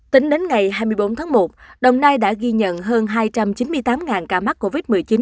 tính đến ngày hai mươi bốn tháng một đồng nai đã ghi nhận hơn hai trăm chín mươi tám ca mắc covid một mươi chín